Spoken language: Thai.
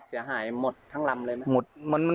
เสียหายหมดทั้งลำเลยนะ